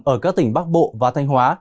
ở các tỉnh bắc bộ và thanh hóa